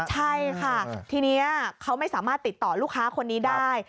ใช่ค่ะทีนี้เขาไม่สามารถติดต่อลูกค้าคนนี้ได้